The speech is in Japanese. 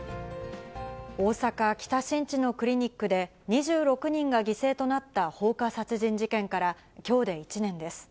大阪・北新地のクリニックで２６人が犠牲となった放火殺人事件から、きょうで１年です。